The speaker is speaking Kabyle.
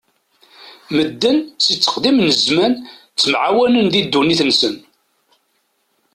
Medden si tteqdim n zzman ttemɛawanen di ddunit-nsen.